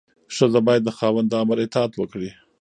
ښځه باید د خاوند د امر اطاعت وکړي.